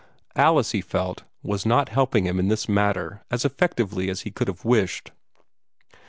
Alice, he felt, was not helping him in this matter as effectively as he could have wished.